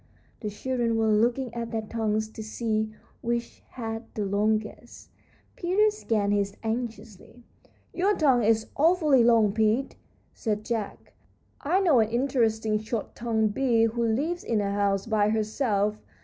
The children were looking at their tongues to see which had the longest. Peter scanned his anxiously. "Your tongue is awfully long, Pete," said Jack. "I know an interesting short tongued bee who lives in a house by herself.